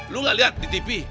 lu gak lihat di tv